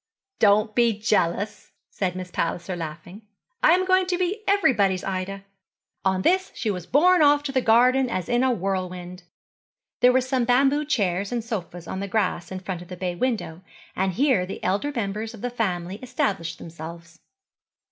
'Don't be jealous,' said Miss Palliser, laughing. 'I am going to be everybody's Ida.' On this she was borne off to the garden as in a whirlwind. There were some bamboo chairs and sofas on the grass in front of the bay window, and here the elder members of the family established themselves.